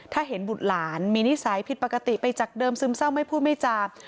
ถ้าเห็นบุตรหลานมีนิสัยผิดปกติไปจากเดิมซึมเศร้าไม่พูดไม่จาม